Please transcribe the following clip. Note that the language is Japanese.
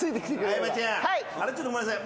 相葉ちゃん。ちょっとごめんなさい。